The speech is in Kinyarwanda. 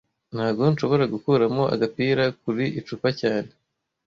Ntago nshobora gukuramo agapira kuri icupa cyane